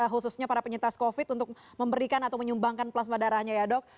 khususnya para penyintas covid untuk memberikan atau menyumbangkan plasma darahnya ya dok